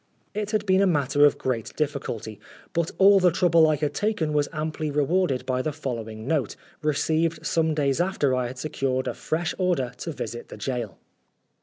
It had been a matter of great difficulty, but all the trouble I had taken was amply rewarded by the following note, received some days after I had secured a fresh order to visit the gaol.